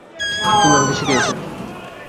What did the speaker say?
তুমিই আমাকে শিখিয়েছ।